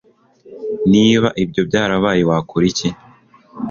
Niba ibyo byarabaye wakora iki